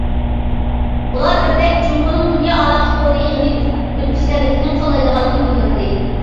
ئۇلار بىردەك جۇڭگونىڭ دۇنيا ئالاقە تورى يىغىنى ئۆتكۈزگەنلىكىنى قوللايدىغانلىقىنى بىلدۈردى.